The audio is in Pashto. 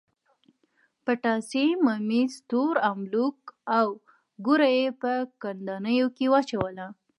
پتاسې، ممیز، تور املوک او ګوړه یې په کندانیو کې واچوله.